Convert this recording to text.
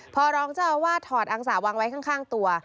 พอรองเจ้าอาวาสถอดอังสะวางไว้ข้างตัว